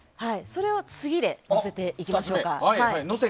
それは次で乗せていきましょうか。